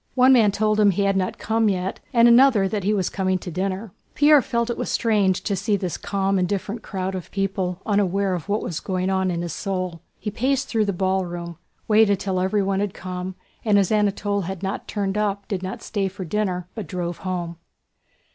One man told him he had not come yet, and another that he was coming to dinner. Pierre felt it strange to see this calm, indifferent crowd of people unaware of what was going on in his soul. He paced through the ballroom, waited till everyone had come, and as Anatole had not turned up did not stay for dinner but drove home.